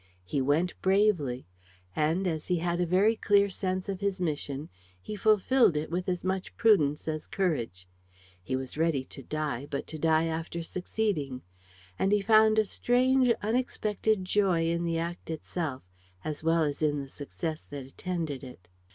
He went bravely. And, as he had a very clear sense of his mission, he fulfilled it with as much prudence as courage. He was ready to die, but to die after succeeding. And he found a strange unexpected joy in the act itself as well as in the success that attended it.